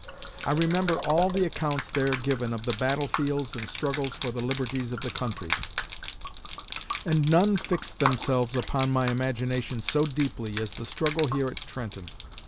I remember all the accounts there given of the battle fields and struggles for the liberties of the country; and none fixed themselves upon my imagination so deeply as the struggle here at Trenton.